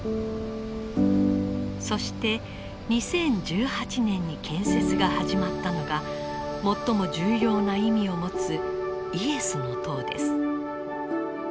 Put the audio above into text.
そして２０１８年に建設が始まったのが最も重要な意味を持つイエスの塔です。